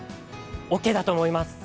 オーケーだと思います。